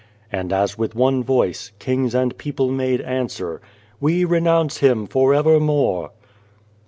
" And, as with one voice, kings and people made answer :" We renounce him for evermore."